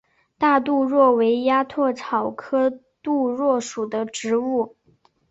大杜若为鸭跖草科杜若属的植物。